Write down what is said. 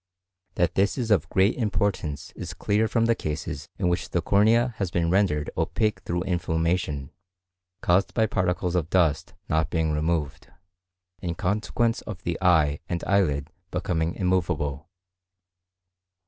That this is of great importance is clear from the cases in which the cornea has been rendered opaque through inflammation, caused by particles of dust not being removed, in consequence of the eye and eyelid becoming immovable.